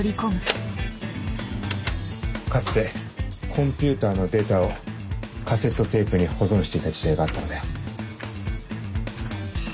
かつてコンピューターのデータをカセットテープに保存していた時代があったのだよ。